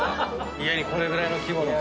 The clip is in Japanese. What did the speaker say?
家にこれぐらいの規模のさ。